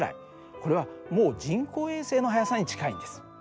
これはもう人工衛星の速さに近いんです。